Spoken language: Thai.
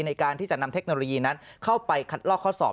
ในการที่จะนำเทคโนโลยีนั้นเข้าไปคัดลอกข้อสอบ